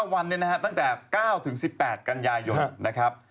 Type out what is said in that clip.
๙วันเนี่ยนะครับตั้งแต่๙ถึง๑๘กันยายน